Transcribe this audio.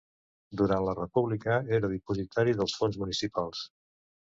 Durant la República era Dipositari dels Fons Municipals.